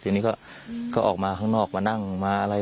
ทีนี้ก็ออกมาข้างนอกมานั่งมาอะไร